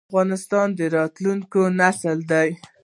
افغانستان د راتلونکي نسل دی